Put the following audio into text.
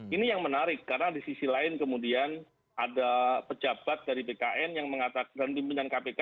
ini yang menarik karena di sisi lain kemudian ada pejabat dari bkn yang mengatakan dan pimpinan kpk